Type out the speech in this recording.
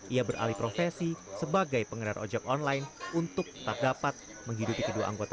ia beralih profesi sebagai pengedar ojek online untuk tak dapat menghidupi kedua anggota